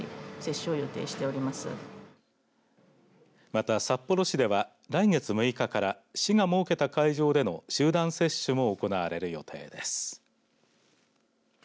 また、札幌市では来月６日から市が設けた会場での集団接種も行われる予定です。